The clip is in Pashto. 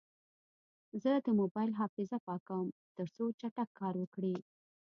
زه د موبایل حافظه پاکوم، ترڅو چټک کار وکړي.